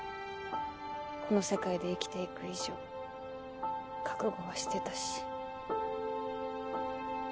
この世界で生きていく以上覚悟はしてたし。